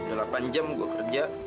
udah delapan jam gue kerja